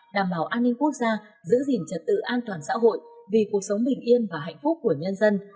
đảm bảo an ninh quốc gia giữ gìn trật tự an toàn xã hội vì cuộc sống bình yên và hạnh phúc của nhân dân